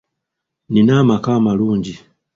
Nnina amaka amalungi.